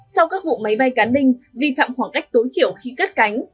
sau các vụ máy bay cán đinh vi phạm khoảng cách tối thiểu khi cắt cánh